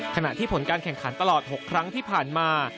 ขณะที่ผลการแข่งขันตลอด๖ครั้งที่ผ่านมา